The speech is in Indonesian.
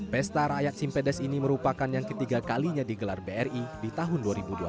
pesta rakyat simpedes ini merupakan yang ketiga kalinya digelar bri di tahun dua ribu dua puluh